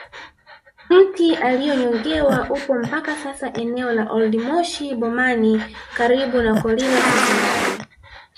Mti aliyonyongewa upo mpaka sasa sehemu ya oldmoshi bomani karibu na kolila sekondari